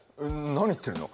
何言ってんの？